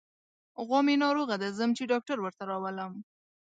غوا مې ناروغه ده، ځم چې ډاکټر ورته راولم.